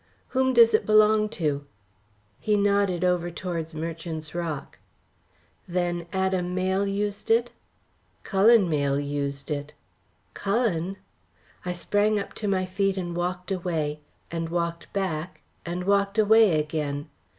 "Whom does it belong to?" He nodded over towards Merchant's Rock. "Then Adam Mayle used it?" "Cullen Mayle used it." "Cullen!" I sprang up to my feet and walked away; and walked back; and walked away again.